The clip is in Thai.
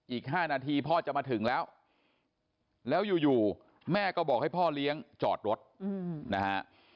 อีก๕นาทีพ่อจะมาถึงแล้วแล้วอยู่แม่ก็บอกให้พ่อเลี้ยงจอดรถนะฮะ